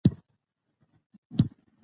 افغانستان د زردالو له امله شهرت لري.